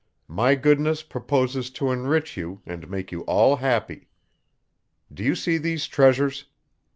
My goodness proposes to enrich you, and make you all happy. Do you see these treasures?